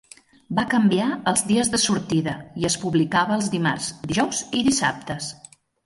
Va canviar els dies de sortida i es publicava els dimarts, dijous i dissabtes.